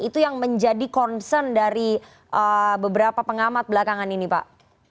itu yang menjadi concern dari beberapa pengamat belakangan ini pak